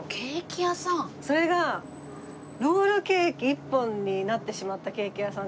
それがロールケーキ一本になってしまったケーキ屋さん。